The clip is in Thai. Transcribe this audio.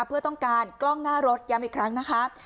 เพื่อต้องการกล้องหน้ารถย้ำอีกครั้งนะคะ